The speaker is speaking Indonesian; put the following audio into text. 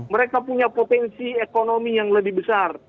mereka punya potensi ekonomi yang lebih besar